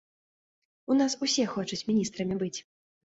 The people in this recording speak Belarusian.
У нас усе хочуць міністрамі быць.